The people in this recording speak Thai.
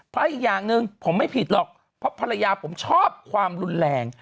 เพราะอีกอย่างหนึ่งผมไม่ผิดหรอกเพราะภรรยาผมชอบความรุนแรง